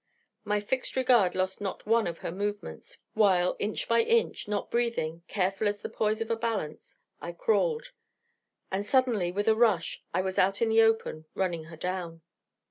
My fixed regard lost not one of her movements, while inch by inch, not breathing, careful as the poise of a balance, I crawled. And suddenly, with a rush, I was out in the open, running her down....